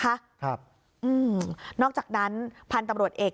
ครับอืมนอกจากนั้นพันธุ์ตำรวจเอก